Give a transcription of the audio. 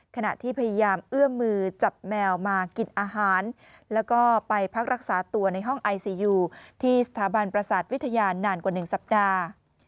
ขณะที่พยายามเอื้อมมือจับแมวมากินอาหารแล้วก็ไปพักรักษาตัวในห้องไอซียูที่สถาบันประสาทวิทยานานกว่า๑สัปดาห์